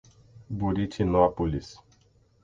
Buritinópolis